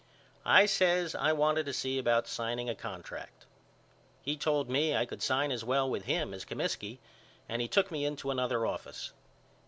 I says I wanted to see about signing a contract. He told me I could sign as well with him as Comiskey and he took me into another office.